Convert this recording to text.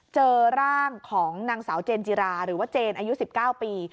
เจอร่างของนางสาวเจนจิราหรือว่าเจนอายุ๑๙ปี